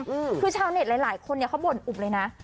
คือชาวเน็ตไหลคนนี้เขาบ่นอุบเลยนะ